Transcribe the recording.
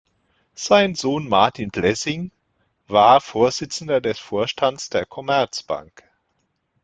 Sein Sohn Martin Blessing war Vorsitzender des Vorstands der Commerzbank.